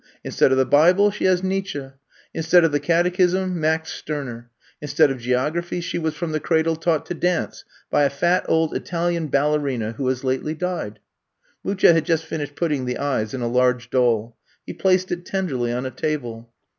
Instead of the Bible she has had Nietzsche ; instead of the catechism. Max Stimer; instead of geography she was from the cradle taught to dance by a fat, old Italian ballerina who has lately died. ^* Mucha had just finished putting the eyes in a large doll. He placed it tenderly on a table.